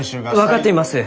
分かっています！